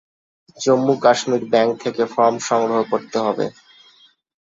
Jammu-Kashmir bank থেকে form সংগ্রহ করতে হবে।